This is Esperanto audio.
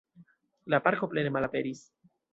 La parko plene malaperis.